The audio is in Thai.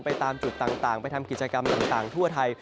ตามจุดต่างไปทำกิจกรรมต่างทั่วไทย